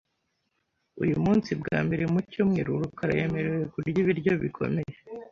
Uyu munsi, bwa mbere mu cyumweru, rukara yemerewe kurya ibiryo bikomeye .